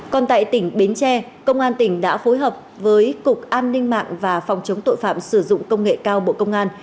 còn tại tỉnh bến tre công an tỉnh đã phối hợp với cục an ninh mạng và phòng chống tội phạm sử dụng công nghệ cao bộ công an